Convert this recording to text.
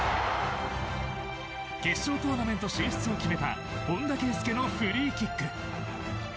決勝トーナメント進出を決めた本田圭佑のフリーキック。